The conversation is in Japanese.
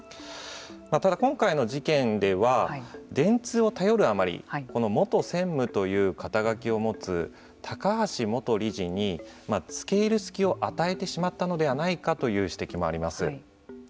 ただ、今回の事件では電通を頼るあまり元専務という肩書を持つ高橋元理事に、つけいる隙を与えてしまったのではないかという指摘もあります。